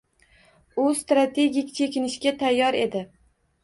U strategik chekinishga tayyor edi